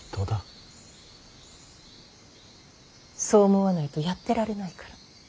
そう思わないとやってられないから。